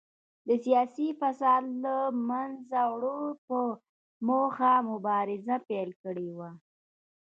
د سیاسي فساد له منځه وړلو په موخه مبارزه پیل کړې وه.